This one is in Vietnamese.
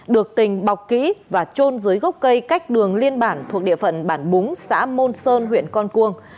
được tình bọc kỹ và trôn dưới gốc cây cách đường liên bản thuộc địa phận bản búng xã môn sơn huyện con cuông